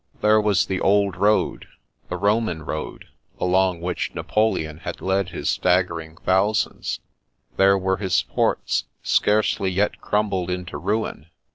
There was the old road, the RomaQ road, along which Napoleon had led his staggering thousands. There were his forts, scarcely yet crumbled into ruin.